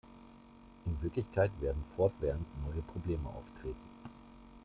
In Wirklichkeit werden fortwährend neue Probleme auftreten.